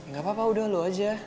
gak apa apa udah lo aja